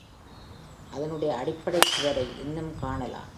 அதனுடைய அடிப்படைச் சுவரை இன்றும் காணலாம்.